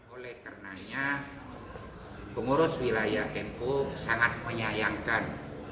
oleh karenanya pengurus wilayah nu sangat menyayangkan